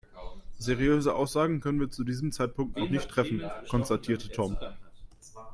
"Seriöse Aussagen können wir zu diesem Zeitpunkt noch nicht treffen", konstatierte Tom.